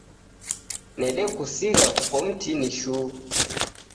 Nedekusigha kuko mtini shuu